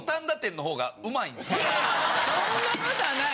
そんな事はない。